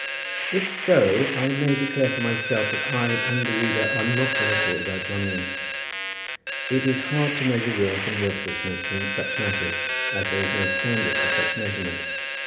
If so, I may declare for myself that I and the reader are not in accord about John Eames. It is hard to measure worth and worthlessness in such matters, as there is no standard for such measurement.